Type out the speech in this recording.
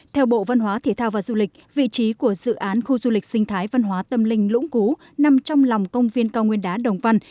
theo bộ văn hóa thể thao và du lịch vị trí của dự án khu du lịch sinh thái văn hóa tâm linh lũng cú nằm trong lòng công viên cao nguyên đá đồng văn